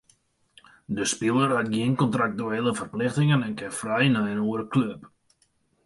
De spiler hat gjin kontraktuele ferplichtingen en kin frij nei in oare klup.